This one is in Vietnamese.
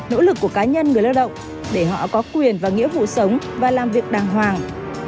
nỗ lực của cá nhân người lao động để họ có quyền và nghĩa vụ sống và làm việc đàng hoàng